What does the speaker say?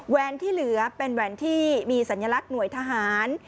แวนที่เหลือเป็นแหวนที่มีสัญลักษณ์หน่วยทหาร